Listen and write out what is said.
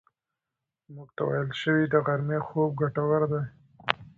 موږ ته ویل شوي چې د غرمې خوب ګټور دی.